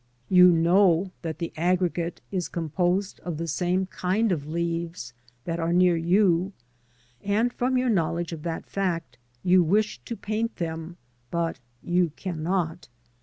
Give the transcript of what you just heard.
You know that the aggregate is composed of the same kind of leaves that are near you, and from your knowledge of that fact, you wish to paint them, but you cannot.